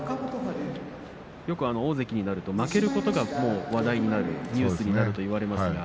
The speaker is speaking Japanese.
よく大関になると、負けることが話題になる、ニュースになると言われますが。